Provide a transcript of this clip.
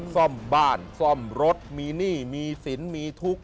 ซ่อมบ้านซ่อมรถมีหนี้มีสินมีทุกข์